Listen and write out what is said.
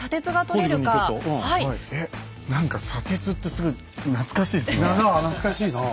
何か砂鉄ってすごい懐かしいですね。